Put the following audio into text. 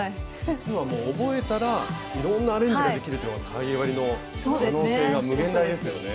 実はもう覚えたらいろんなアレンジができるっていうのはかぎ針の可能性が無限大ですよね。